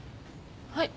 はい。